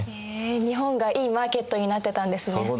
へえ日本がいいマーケットになってたんですね。